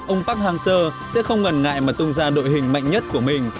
ông park hang seo sẽ không ngần ngại mà tung ra đội hình mạnh nhất của mình